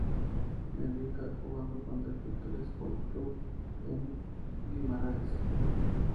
Benfica, jugando contra el Vitória Sport Clube en Guimarães.